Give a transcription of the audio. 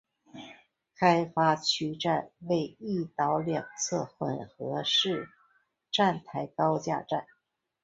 开发区站为一岛两侧混合式站台高架站。